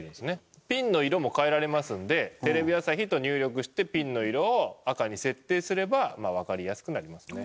ピンの色も変えられますので「テレビ朝日」と入力してピンの色を赤に設定すればまあわかりやすくなりますね。